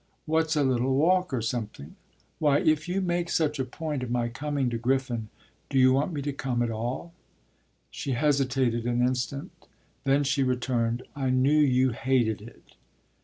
"What's a little walk or something? Why, if you make such a point of my coming to Griffin, do you want me to come at all?" She hesitated an instant; then she returned; "I knew you hated it!"